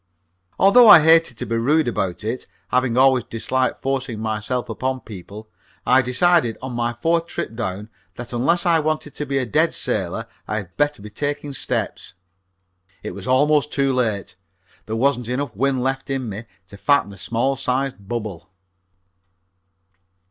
Although I hated to be rude about it, having always disliked forcing myself upon people, I decided on my fourth trip down that unless I wanted to be a dead sailor I had better be taking steps. It was almost too late. There wasn't enough wind left in me to fatten a small sized bubble.